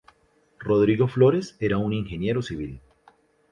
Rodrigo Flores era un ingeniero civil.